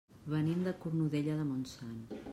Venim de Cornudella de Montsant.